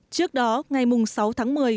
trước đó ngày sáu tháng một mươi